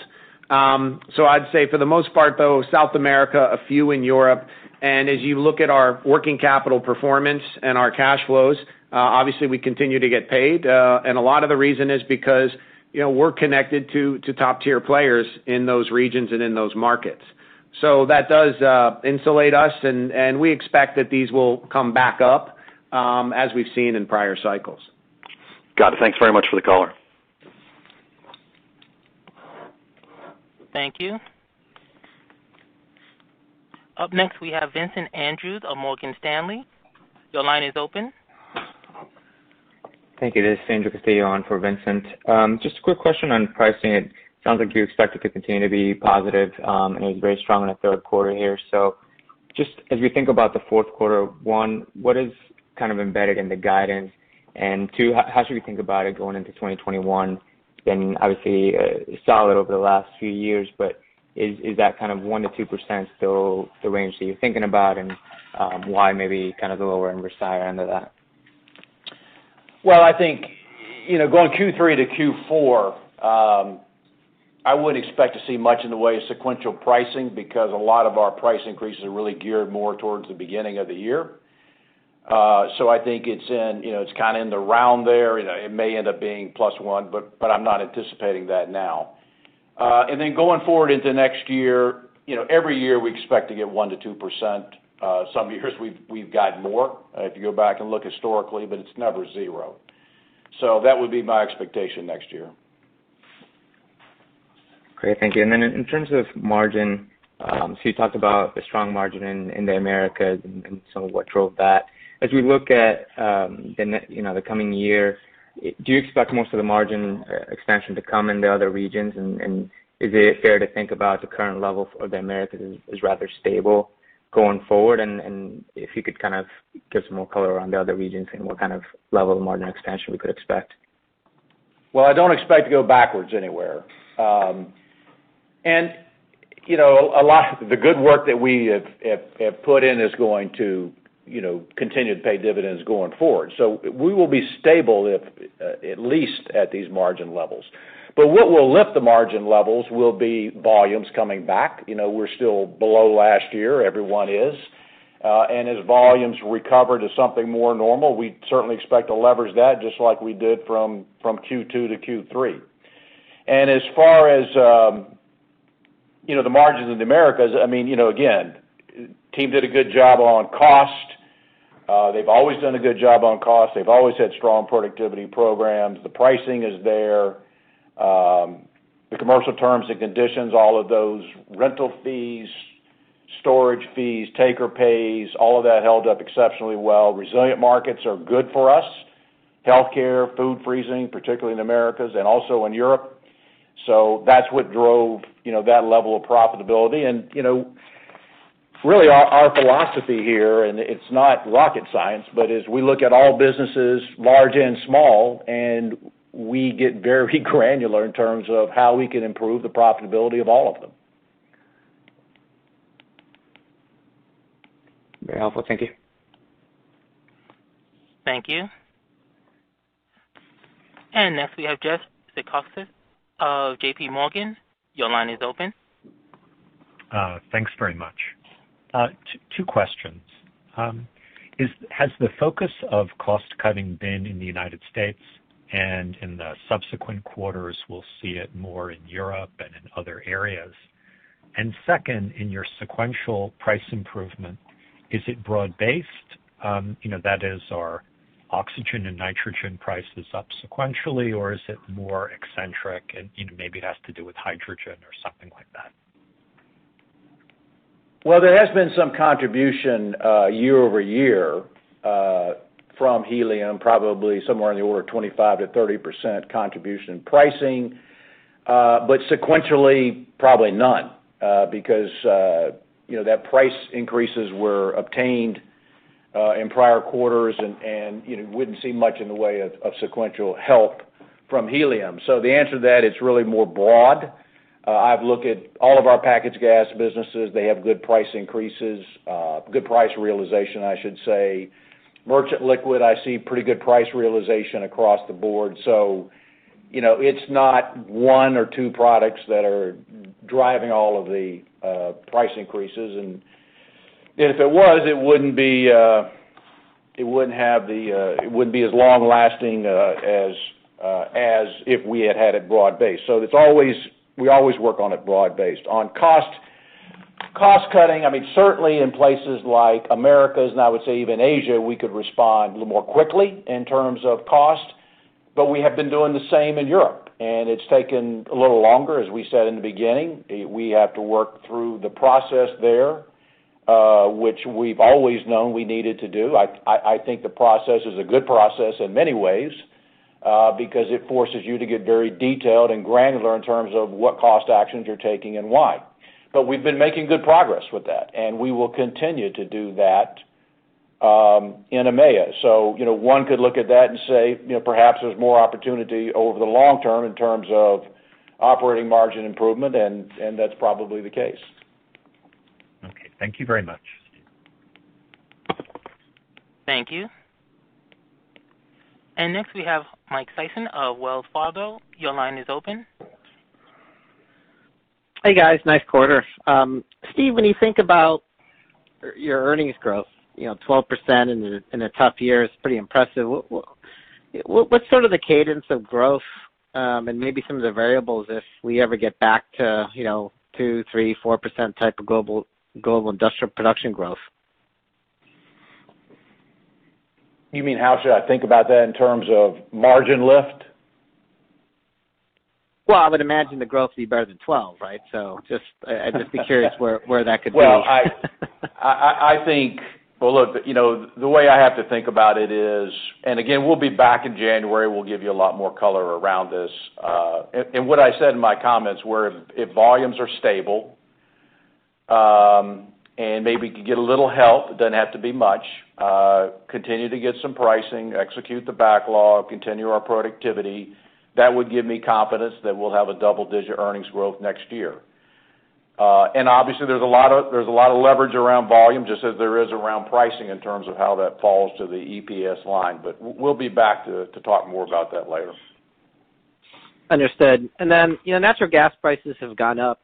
I'd say for the most part, though, South America, a few in Europe, and as you look at our working capital performance and our cash flows, obviously we continue to get paid. A lot of the reason is because we're connected to top-tier players in those regions and in those markets. That does insulate us, and we expect that these will come back up, as we've seen in prior cycles. Got it. Thanks very much for the color. Thank you. Up next, we have Vincent Andrews of Morgan Stanley. Your line is open. Thank you. This is Angel Castillo on for Vincent Andrews. Just a quick question on pricing. It sounds like you expect it to continue to be positive, and it was very strong in the third quarter here. Just as we think about the fourth quarter, one, what is kind of embedded in the guidance? Two, how should we think about it going into 2021? Been obviously solid over the last few years, but is that kind of 1%-2% still the range that you're thinking about, and why maybe kind of the lower end or higher end of that? Well, I think, going Q3 to Q4, I wouldn't expect to see much in the way of sequential pricing because a lot of our price increases are really geared more towards the beginning of the year. I think it's kind of in the round there. It may end up being plus one, but I'm not anticipating that now. Going forward into next year, every year we expect to get 1%-2%. Some years we've gotten more, if you go back and look historically, but it's never zero. That would be my expectation next year. Great. Thank you. Then in terms of margin, you talked about the strong margin in the Americas and some of what drove that. As we look at the coming year, do you expect most of the margin expansion to come in the other regions? Is it fair to think about the current level for the Americas as rather stable going forward? If you could kind of give some more color around the other regions and what kind of level of margin expansion we could expect? I don't expect to go backwards anywhere. A lot of the good work that we have put in is going to continue to pay dividends going forward. We will be stable at least at these margin levels. What will lift the margin levels will be volumes coming back. We're still below last year. Everyone is. As volumes recover to something more normal, we certainly expect to leverage that just like we did from Q2 to Q3. As far as the margins in the Americas, again, team did a good job on cost. They've always done a good job on cost. They've always had strong productivity programs. The pricing is there. The commercial terms and conditions, all of those rental fees, storage fees, take-or-pay, all of that held up exceptionally well. Resilient markets are good for us. Healthcare, food freezing, particularly in Americas and also in Europe. That's what drove that level of profitability. Really our philosophy here, and it's not rocket science, but as we look at all businesses, large and small, and we get very granular in terms of how we can improve the profitability of all of them. Very helpful. Thank you. Thank you. Next we have Jeffrey Zekauskas of JPMorgan. Your line is open. Thanks very much. Two questions. Has the focus of cost cutting been in the U.S., and in the subsequent quarters, we'll see it more in Europe and in other areas? Second, in your sequential price improvement, is it broad-based? That is, are oxygen and nitrogen prices up sequentially, or is it more eccentric, and maybe it has to do with hydrogen or something like that? Well, there has been some contribution year-over-year from helium, probably somewhere in the order of 25%-30% contribution pricing. Sequentially, probably none. That price increases were obtained in prior quarters and wouldn't see much in the way of sequential help from helium. The answer to that, it's really more broad. I've looked at all of our packaged gas businesses. They have good price increases, good price realization, I should say. Merchant liquid, I see pretty good price realization across the board. It's not one or two products that are driving all of the price increases. If it was, it wouldn't be as long-lasting as if we had had it broad-based. We always work on it broad-based. On cost cutting, certainly in places like Americas, and now I would say even Asia, we could respond a little more quickly in terms of cost, but we have been doing the same in Europe, and it's taken a little longer, as we said in the beginning. We have to work through the process there, which we've always known we needed to do. I think the process is a good process in many ways because it forces you to get very detailed and granular in terms of what cost actions you're taking and why. We've been making good progress with that, and we will continue to do that in EMEA. One could look at that and say perhaps there's more opportunity over the long term in terms of operating margin improvement, and that's probably the case. Okay. Thank you very much. Thank you. Next we have Michael Sison of Wells Fargo. Your line is open. Hey, guys. Nice quarter. Steve Angel, when you think about your earnings growth, 12% in a tough year is pretty impressive. What's sort of the cadence of growth, and maybe some of the variables if we ever get back to 2%, 3%, 4% type of global industrial production growth? You mean how should I think about that in terms of margin lift? Well, I would imagine the growth would be better than 12, right? I'd just be curious where that could be. Well, look, the way I have to think about it is. Again, we'll be back in January. We'll give you a lot more color around this. What I said in my comments were if volumes are stable, and maybe we could get a little help, it doesn't have to be much. Continue to get some pricing, execute the backlog, continue our productivity. That would give me confidence that we'll have a double-digit earnings growth next year. Obviously there's a lot of leverage around volume, just as there is around pricing in terms of how that falls to the EPS line, but we'll be back to talk more about that later. Understood. Then, natural gas prices have gone up.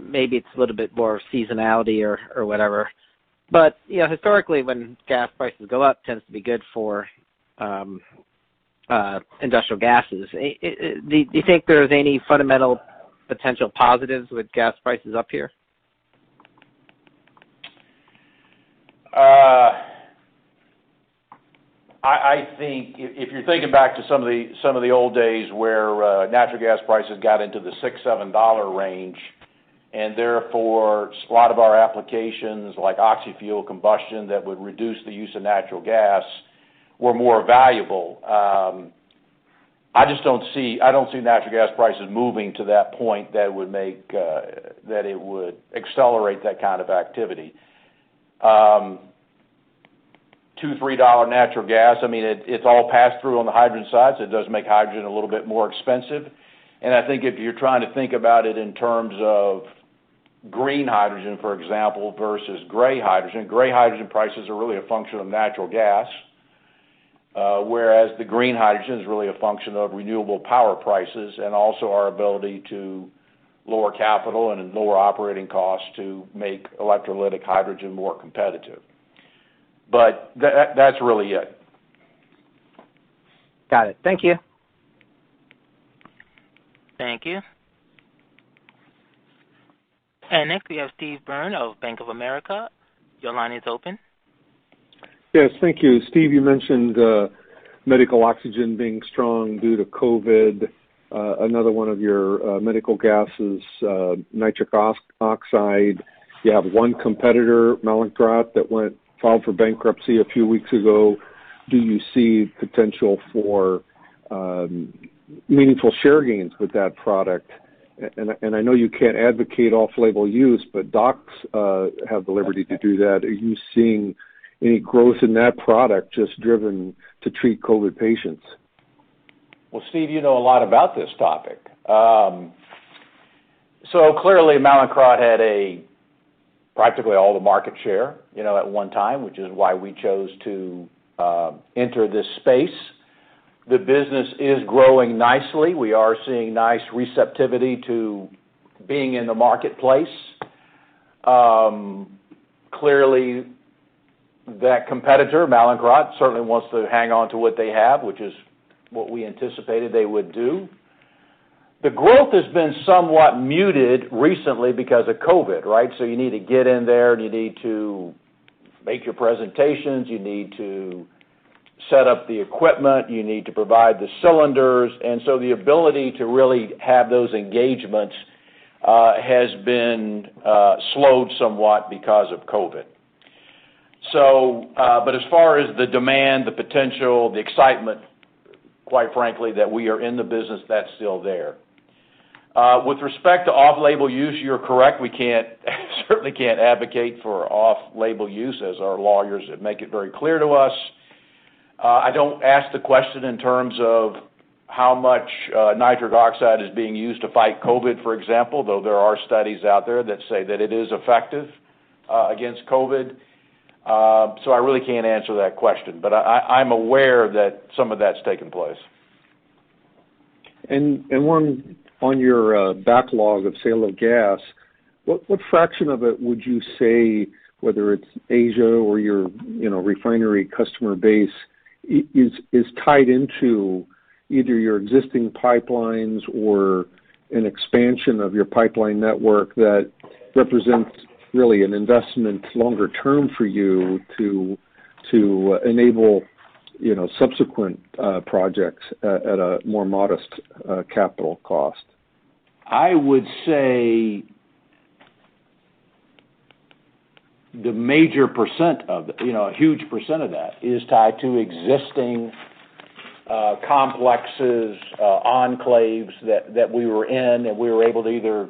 Maybe it's a little bit more seasonality or whatever. Historically, when gas prices go up, tends to be good for industrial gases. Do you think there's any fundamental potential positives with gas prices up here? I think if you're thinking back to some of the old days where natural gas prices got into the $6, $7 range, and therefore a lot of our applications like oxy-fuel combustion that would reduce the use of natural gas were more valuable. I don't see natural gas prices moving to that point that it would accelerate that kind of activity. $2, $3 natural gas, it's all passed through on the hydrogen side, it does make hydrogen a little bit more expensive. I think if you're trying to think about it in terms of green hydrogen, for example, versus gray hydrogen. Gray hydrogen prices are really a function of natural gas. Whereas the green hydrogen is really a function of renewable power prices and also our ability to lower capital and lower operating costs to make electrolytic hydrogen more competitive, but that's really it. Got it. Thank you. Thank you. Next, we have Steve Byrne of Bank of America. Your line is open. Yes, thank you. Steve Angel, you mentioned medical oxygen being strong due to COVID. Another one of your medical gases, nitric oxide, you have one competitor, Mallinckrodt, that filed for bankruptcy a few weeks ago. Do you see potential for meaningful share gains with that product? I know you can't advocate off-label use, but docs have the liberty to do that. Are you seeing any growth in that product just driven to treat COVID patients? Steve Byrne, you know a lot about this topic. Clearly, Mallinckrodt had practically all the market share at one time, which is why we chose to enter this space. The business is growing nicely. We are seeing nice receptivity to being in the marketplace. Clearly, that competitor, Mallinckrodt, certainly wants to hang on to what they have, which is what we anticipated they would do. The growth has been somewhat muted recently because of COVID, right? You need to get in there, and you need to make your presentations, you need to set up the equipment, you need to provide the cylinders. The ability to really have those engagements has been slowed somewhat because of COVID. As far as the demand, the potential, the excitement, quite frankly, that we are in the business, that's still there. With respect to off-label use, you're correct. We certainly can't advocate for off-label use, as our lawyers have made it very clear to us. I don't ask the question in terms of how much nitric oxide is being used to fight COVID, for example, though there are studies out there that say that it is effective against COVID. I really can't answer that question, but I'm aware that some of that's taken place. One on your backlog of sale of gas, what fraction of it would you say, whether it's Asia or your refinery customer base, is tied into either your existing pipelines or an expansion of your pipeline network that represents really an investment longer term for you to enable subsequent projects at a more modest capital cost? I would say a huge percent of that is tied to existing complexes, enclaves that we were in, that we were able to either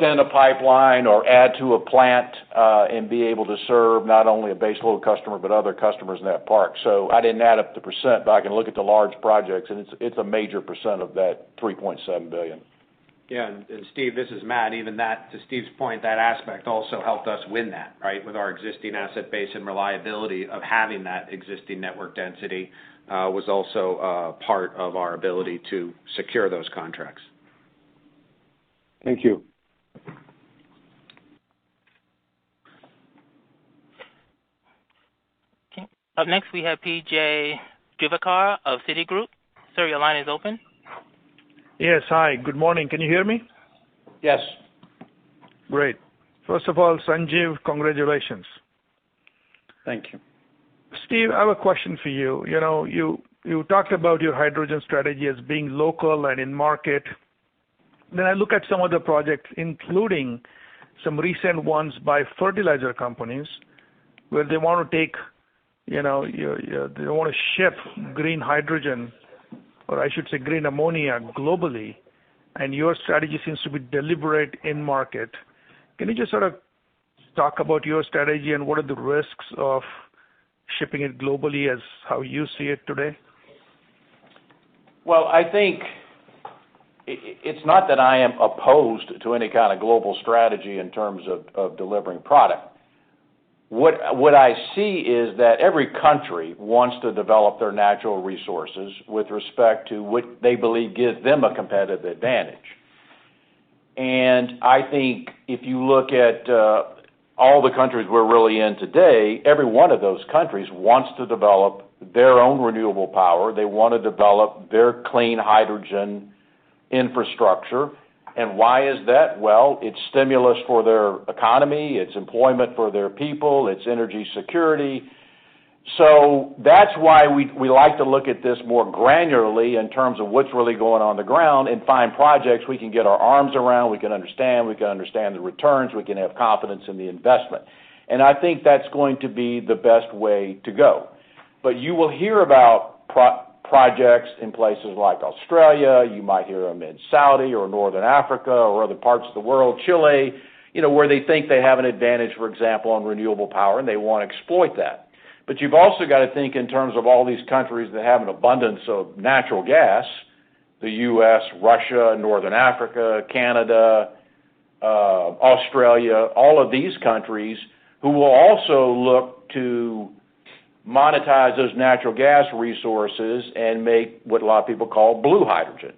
extend a pipeline or add to a plant, and be able to serve not only a baseload customer, but other customers in that park. I didn't add up the percent, but I can look at the large projects, and it's a major percent of that $3.7 billion. Yeah. Steve Byrne, this is Matt White. Even that, to Steve Angel's point, that aspect also helped us win that, right? With our existing asset base and reliability of having that existing network density, was also a part of our ability to secure those contracts. Thank you. Okay. Up next we have P.J. Juvekar of Citigroup. Sir, your line is open. Yes. Hi. Good morning. Can you hear me? Yes. Great. First of all, Sanjiv Lamba, congratulations. Thank you. Steve Angel, I have a question for you. You talked about your hydrogen strategy as being local and in market. I look at some of the projects, including some recent ones by fertilizer companies, where they want to ship green hydrogen, or I should say green ammonia, globally, and your strategy seems to be deliberate in market. Can you just sort of talk about your strategy and what are the risks of shipping it globally as how you see it today? I think it's not that I am opposed to any kind of global strategy in terms of delivering product. What I see is that every country wants to develop their natural resources with respect to what they believe gives them a competitive advantage. I think if you look at all the countries we're really in today, every one of those countries wants to develop their own renewable power. They want to develop their clean hydrogen infrastructure. Why is that? Well, it's stimulus for their economy. It's employment for their people. It's energy security. That's why we like to look at this more granularly in terms of what's really going on on the ground and find projects we can get our arms around, we can understand, we can understand the returns, we can have confidence in the investment. I think that's going to be the best way to go. You will hear about projects in places like Australia. You might hear them in Saudi or Northern Africa or other parts of the world, Chile, where they think they have an advantage, for example, on renewable power, and they want to exploit that. You've also got to think in terms of all these countries that have an abundance of natural gas, the U.S., Russia, Northern Africa, Canada, Australia, all of these countries who will also look to monetize those natural gas resources and make what a lot of people call blue hydrogen,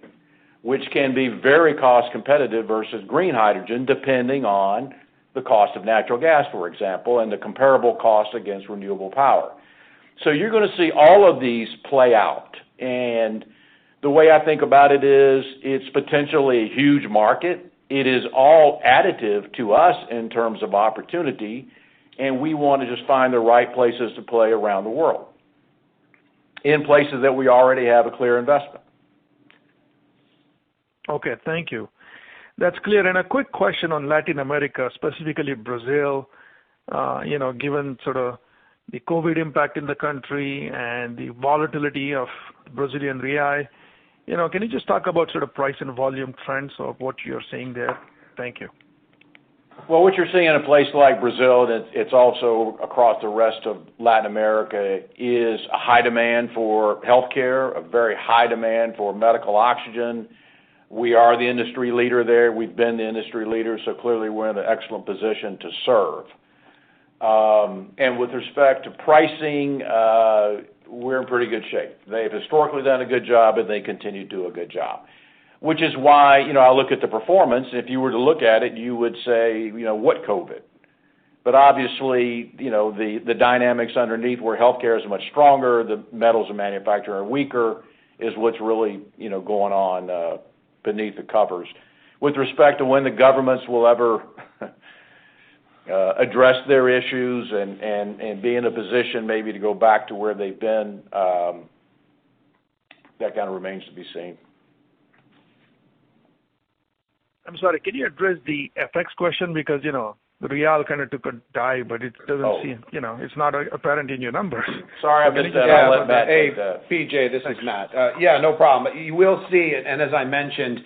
which can be very cost competitive versus green hydrogen, depending on the cost of natural gas, for example, and the comparable cost against renewable power. You're going to see all of these play out. The way I think about it is, it's potentially a huge market. It is all additive to us in terms of opportunity, and we want to just find the right places to play around the world, in places that we already have a clear investment. Okay, thank you. That's clear. A quick question on Latin America, specifically Brazil. Given sort of the COVID impact in the country and the volatility of Brazilian real, can you just talk about sort of price and volume trends of what you're seeing there? Thank you. Well, what you're seeing in a place like Brazil, it's also across the rest of Latin America, is a high demand for healthcare, a very high demand for medical oxygen. We are the industry leader there. We've been the industry leader, clearly we're in an excellent position to serve. With respect to pricing, we're in pretty good shape. They've historically done a good job, and they continue to do a good job. Which is why, I look at the performance, if you were to look at it, you would say, "What COVID?" Obviously, the dynamics underneath where healthcare is much stronger, the metals and manufacturing are weaker, is what's really going on beneath the covers. With respect to when the governments will ever address their issues and be in a position maybe to go back to where they've been, that kind of remains to be seen. I'm sorry, can you address the FX question? Because the reais kind of took a dive, but it doesn't seem. Oh. It's not apparent in your numbers. Sorry, I missed that. Hey, PJ, this is Matt White. No problem. You will see, and as I mentioned,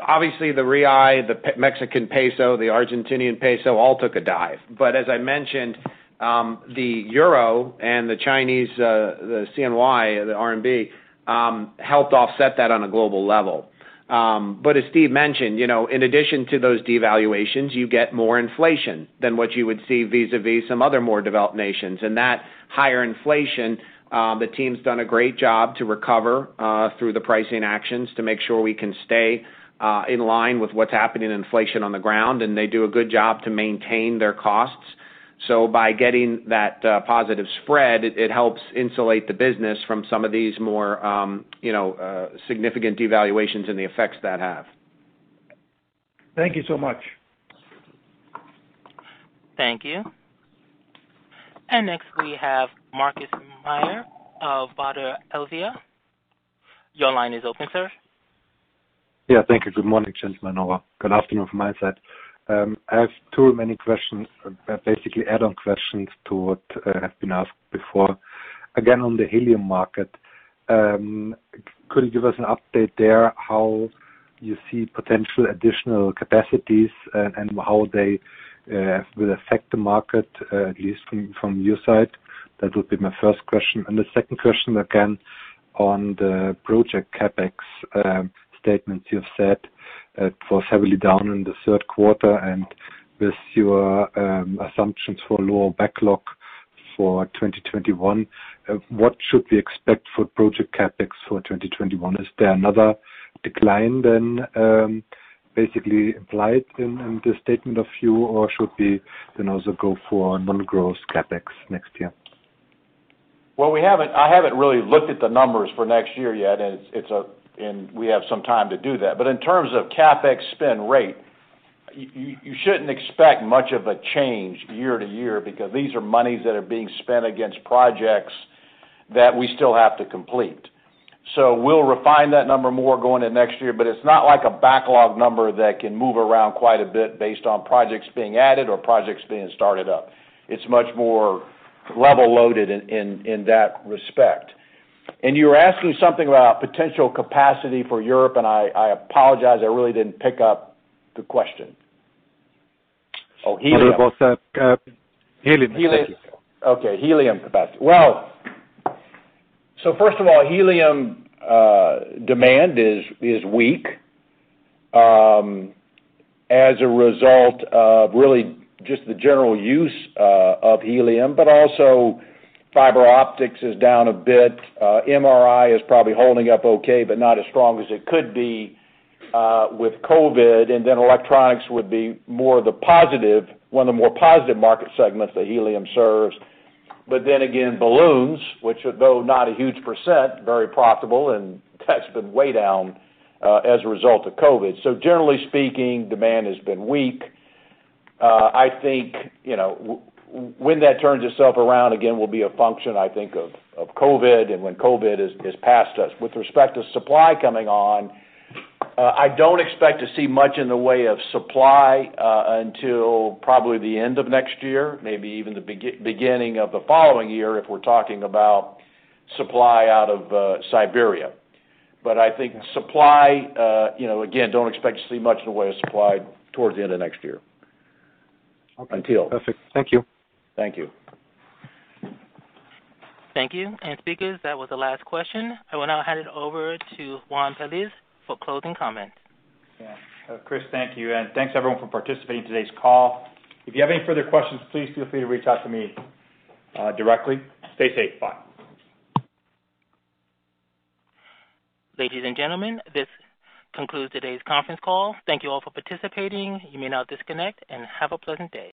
obviously the reais, the Mexican peso, the Argentinian peso, all took a dive. As I mentioned, the euro and the Chinese, the CNY, the RMB, helped offset that on a global level. As Steve Angel mentioned, in addition to those devaluations, you get more inflation than what you would see vis-a-vis some other more developed nations and that higher inflation, the team's done a great job to recover through the pricing actions to make sure we can stay in line with what's happening in inflation on the ground, and they do a good job to maintain their costs. By getting that positive spread, it helps insulate the business from some of these more significant devaluations and the effects that have. Thank you so much. Thank you. Next we have Markus Mayer of Baader Helvea. Your line is open, sir. Yeah, thank you. Good morning, gentlemen, or good afternoon from my side. I have two or many questions, basically add-on questions to what has been asked before. Again, on the helium market, could you give us an update there how you see potential additional capacities and how they will affect the market, at least from your side? That would be my first question. The second question again on the project CapEx statements you have set. It was heavily down in the third quarter and with your assumptions for lower backlog for 2021, what should we expect for project CapEx for 2021? Is there another decline then basically implied in this statement of you, or should we then also go for non-growth CapEx next year? Well, I haven't really looked at the numbers for next year yet. We have some time to do that. In terms of CapEx spend rate, you shouldn't expect much of a change year to year because these are monies that are being spent against projects that we still have to complete. We'll refine that number more going into next year, but it's not like a backlog number that can move around quite a bit based on projects being added or projects being started up. It's much more level loaded in that respect. You were asking something about potential capacity for Europe. I apologize, I really didn't pick up the question. Oh, helium. It was helium. Okay, helium capacity. Well, first of all, helium demand is weak, as a result of really just the general use of helium, but also fiber optics is down a bit. MRI is probably holding up okay, but not as strong as it could be with COVID. Electronics would be more of the positive, one of the more positive market segments that helium serves. Again, balloons, which although not a huge percent, very profitable, and that's been way down, as a result of COVID. Generally speaking, demand has been weak. I think, when that turns itself around again will be a function, I think, of COVID and when COVID is past us. With respect to supply coming on, I don't expect to see much in the way of supply until probably the end of next year, maybe even the beginning of the following year, if we're talking about supply out of Siberia. I think supply, again, don't expect to see much in the way of supply towards the end of next year. Okay. Perfect. Thank you. Thank you. Thank you. Speakers, that was the last question. I will now hand it over to Juan Pelaez for closing comments. Yeah. Chris, thank you, and thanks everyone for participating in today's call. If you have any further questions, please feel free to reach out to me directly. Stay safe. Bye. Ladies and gentlemen, this concludes today's conference call. Thank you all for participating. You may now disconnect and have a pleasant day.